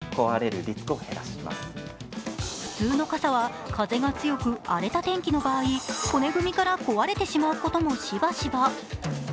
その仕組みは普通の傘は風が強く、荒れた天気の場合骨組みから壊れてしまうこともしばしば。